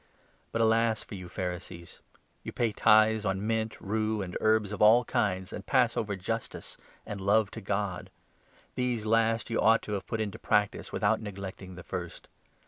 But alas for 42 you Pharisees ! You pay tithes on mint, rue, and herbs of all kinds, and pass over justice and love to God. These last you ought to have put into practice without neglecting the first.